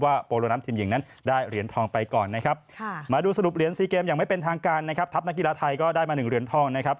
ว่าโปรโลน้ำทีมหญิงนั้นได้เหรียญทองไปก่อนนะครับ